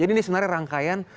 jadi ini sebenarnya rangkaian